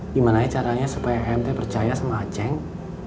gimana caranya supaya emni percaya sama ba jews